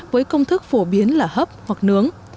với công thức phổ biến là hấp hoặc nướng